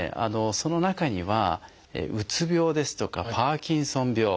その中にはうつ病ですとかパーキンソン病